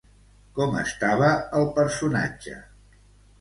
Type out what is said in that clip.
Com estava el personatge?